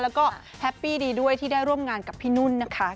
แล้วก็แฮปปี้ดีด้วยที่ได้ร่วมงานกับพี่นุ่นนะคะ